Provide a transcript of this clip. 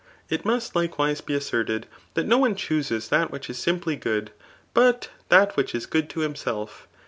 It must likewise be asserted, that no one chuses that which is simply good, but that which is good to himself.